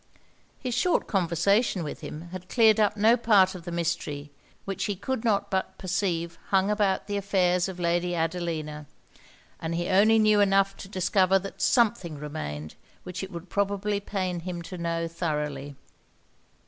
His short conversation with him had cleared up no part of the mystery which he could not but perceive hung about the affairs of Lady Adelina; and he only knew enough to discover that something remained which it would probably pain him to know thoroughly.